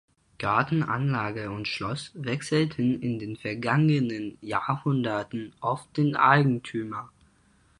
Gartenanlage und Schloss wechselten in den vergangenen Jahrhunderten oft den Eigentümer.